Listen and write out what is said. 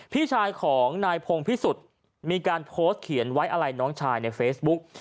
พี่ชายของนายพงพิสุทธิ์มีการโพสต์เขียนไว้อะไรน้องชายในเฟซบุ๊ก